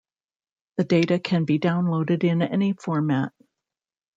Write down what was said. The data can be downloaded in any format.